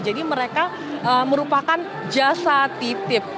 jadi mereka merupakan jasa titip